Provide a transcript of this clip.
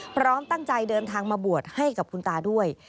พร้อมตั้งใจเดินทางมาบวชให้กับคุณตาด้วย